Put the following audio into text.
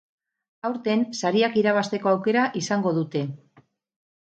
Aurten, sariak irabazteko aukera izango dute.